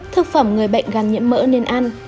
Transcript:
thực phẩm người bệnh gan nhiễm mỡ nên ăn